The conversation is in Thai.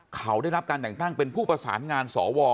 เขาได้รับการแต่งตั้งเป็นผู้ประสานงานสว